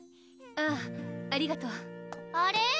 ああありがとうあれ？